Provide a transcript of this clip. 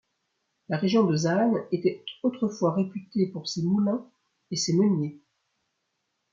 La région de Zaan était autrefois réputée pour ses moulins et ses meuniers.